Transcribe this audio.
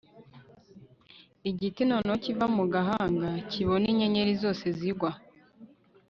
igiti noneho kiva mu gahanga kibona inyenyeri zose zigwa